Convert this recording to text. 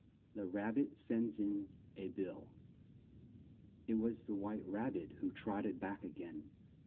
THE RAB BIT SENDS IN A BILL. It was the White Rab bit who trot ted back a gain.